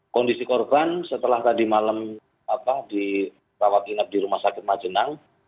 kondisi korban setelah tadi malam di rawat inap di rumah sakit majenang